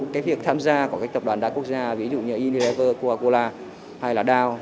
quốc gia của các tập đoàn đa quốc gia ví dụ như unilever coca cola hay là dow